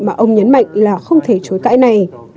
mà ông nhấn mạnh là không thể chối cãi này